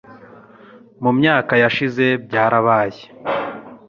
Mu myaka yashize byarabaye